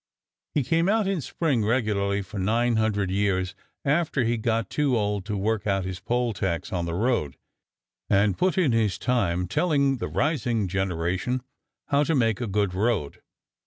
He came out in spring regularly for nine hundred years after he got too old to work out his poll tax on the road and put in his time telling the rising generation how to make a good road.